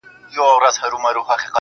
زه خو یارانو نامعلوم آدرس ته ودرېدم .